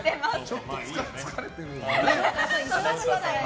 ちょっと疲れてるのかな。